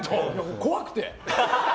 怖くて。